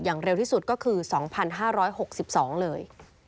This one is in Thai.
เร็วที่สุดก็คือ๒๕๖๒เลย